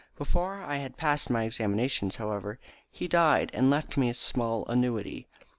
Before I had passed my examinations, however, he died and left me a small annuity.